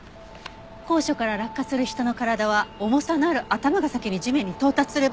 高所から落下する人の体は重さのある頭が先に地面に到達する場合が多い。